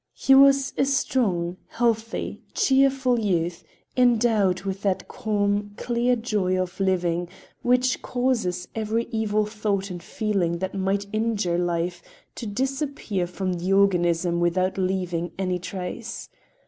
He was a strong, healthy, cheerful youth, endowed with that calm, clear joy of living which causes every evil thought and feeling that might injure life to disappear from the organism without leaving any trace.